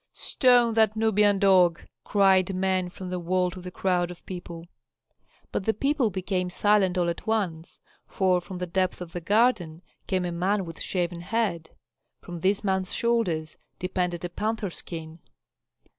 "Stone that Nubian dog!" cried men from the wall to the crowd of people. But the people became silent all at once, for from the depth of the garden came a man with shaven head; from this man's shoulders depended a panther skin.